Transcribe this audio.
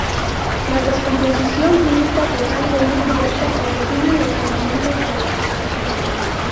La descomposición química total de un compuesto origina los elementos que lo constituyen.